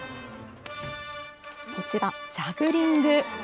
こちら、ジャグリング。